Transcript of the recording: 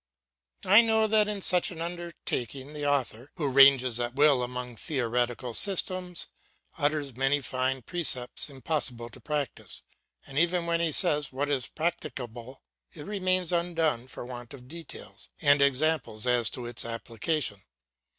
I know that in such an undertaking the author, who ranges at will among theoretical systems, utters many fine precepts impossible to practise, and even when he says what is practicable it remains undone for want of details and examples as to its application.